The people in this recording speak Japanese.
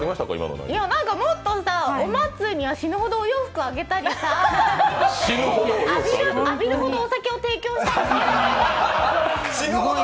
もっと死ぬほどお洋服あげたりさ浴びるほどお酒を提供したり。